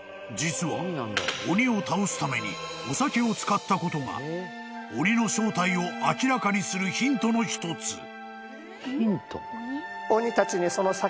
［実は鬼を倒すためにお酒を使ったことが鬼の正体を明らかにするヒントの一つ］